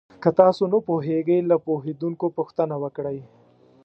که تاسو نه پوهېږئ، له پوهېدونکو پوښتنه وکړئ.